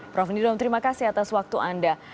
prof nidron terima kasih atas waktu anda